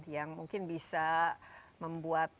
yang mungkin bisa membuat